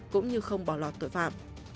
cũng như không bỏ lọt tội phạm